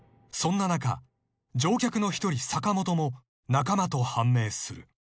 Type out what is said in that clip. ［そんな中乗客の一人坂本も仲間と判明する］